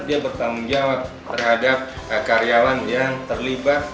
dia bertanggung jawab terhadap karyawan yang terlibat